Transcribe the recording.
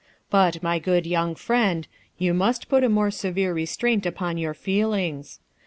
But, my good young friend, you must put a more severe restraint upon your feelings.